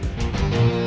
saya yang menang